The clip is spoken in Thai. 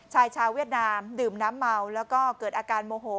ชายชาวเวียดนามดื่มน้ำเมาแล้วก็เกิดอาการโมโห